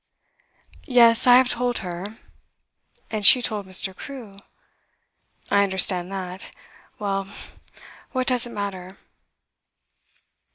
'Yes, I have told her. And she told Mr. Crewe? I understand that. Well, what does it matter?